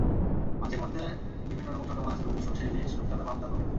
মাছের মধ্যে বিভিন্ন রকম ছোট মাছ, রুই, সরষে ইলিশ, রুপচাঁদা, পাবদা প্রভৃতি।